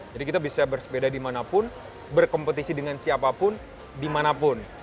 jadi kita bisa bersepeda dimanapun berkompetisi dengan siapapun dimanapun